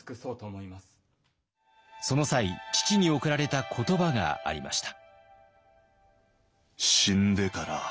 その際父におくられた言葉がありました。